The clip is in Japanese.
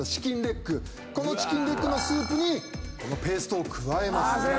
このチキンレッグのスープにこのペーストを加えます。